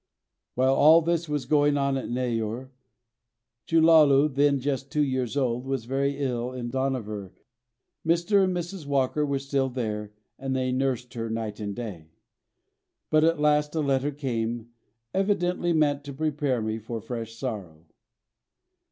While all this was going on in Neyoor, Chellalu, then just two years old, was very ill in Dohnavur. Mr. and Mrs. Walker were still there, and they nursed her night and day; but at last a letter came, evidently meant to prepare me for fresh sorrow.